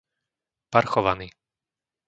Parchovany